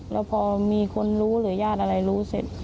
แล้วพอมีคนรู้หรือญาติอะไรรู้เสร็จ